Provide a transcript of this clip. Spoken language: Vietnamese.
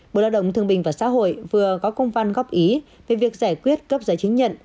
bộ lao động thương bình và xã hội vừa có công văn góp ý về việc giải quyết cấp giấy chứng nhận